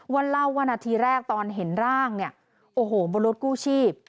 วันเล่าวันอาทีแรกตอนเห็นร่างโอ้โฮบนรถกู้ชีพ